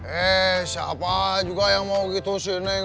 eh siapa juga yang mau gitu sih neng